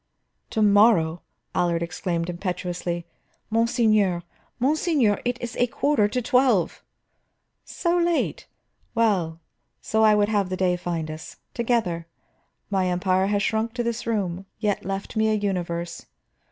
"To morrow!" Allard exclaimed impetuously. "Monseigneur, monseigneur, it is a quarter to twelve!" "So late? Well, so I would have the day find us: together. My Empire has shrunk to this room, yet left me a universe.